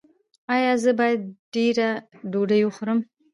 ایا زه باید ډیره ډوډۍ وخورم؟